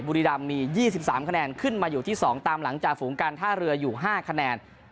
บุรีรำมี๒๓คะแนนขึ้นมาอยู่ที่๒ตามหลังจากฝูงการท่าเรืออยู่๕คะแนน